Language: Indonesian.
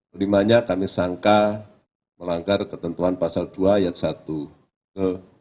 kelimanya kami sangka melanggar ketentuan pasangan